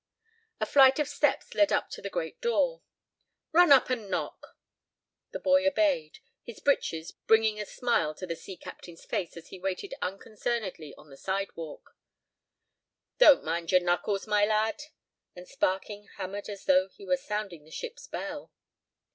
A flight of steps led up to the great door. "Run up—and knock." The boy obeyed, his breeches bringing a smile to the sea captain's face as he waited unconcernedly on the sidewalk. "Don't mind your knuckles, my lad." And Sparkin hammered as though he were sounding the ship's bell.